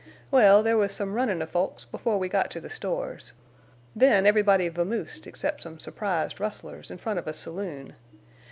Well, there was some runnin' of folks before we got to the stores. Then everybody vamoosed except some surprised rustlers in front of a saloon.